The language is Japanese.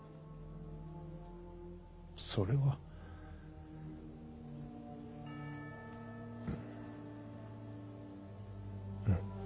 それはうん。